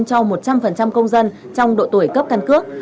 cho một trăm linh công dân trong độ tuổi cấp căn cước